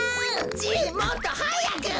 じいもっとはやく！